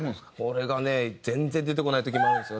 これがね全然出てこない時もあるんですよね。